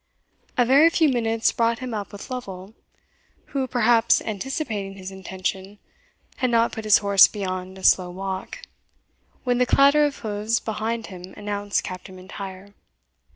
A very few minutes brought him up with Lovel, who, perhaps anticipating his intention, had not put his horse beyond a slow walk, when the clatter of hoofs behind him announced Captain Mlntyre.